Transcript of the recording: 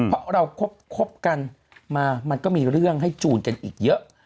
เพราะเราคบกันมามันก็มีเรื่องให้จูนกันอีกเยอะ